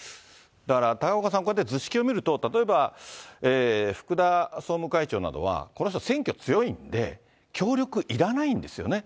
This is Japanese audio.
だから高岡さん、こうやって図式を見ると、例えば福田総務会長などは、この人選挙強いんで、協力いらないんですよね。